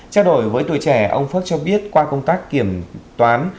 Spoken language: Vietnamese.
trao đổi với tuổi trẻ ông phước cho biết qua công tác kiểm toán